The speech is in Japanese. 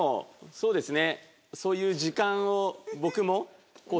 そうですね。